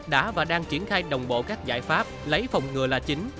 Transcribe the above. đã và đang triển khai đồng bộ các giải pháp lấy phòng ngừa là chính